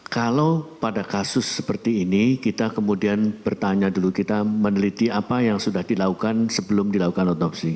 kalau pada kasus seperti ini kita kemudian bertanya dulu kita meneliti apa yang sudah dilakukan sebelum dilakukan otopsi